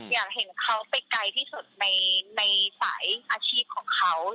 อยากเห็นเขาไปไกลที่สุดในสายอาชีพของเขา